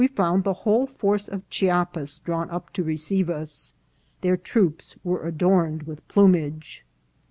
"We found the whole force of Chiapas drawn up to receive us. Their troops were adorned with plumage."